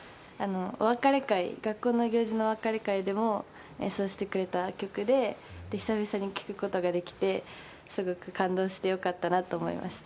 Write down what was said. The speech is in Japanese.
学校行事のお別れ会でも演奏してくれた曲で、久々に聴くことができて、すごく感動してよかったなと思いました。